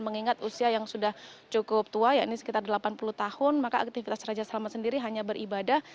mengingat usia yang sudah cukup tua ya ini sekitar delapan puluh tahun maka aktivitas raja salman sendiri hanya beribadah